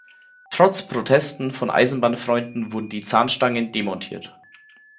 Trotz Protesten von Eisenbahnfreunden wurden die Zahnstangen demontiert.